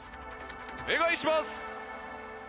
お願いします！